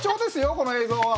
この映像は。